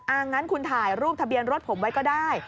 งั้นคุณถ่ายรูปทะเบียนรถผมไว้ก็ได้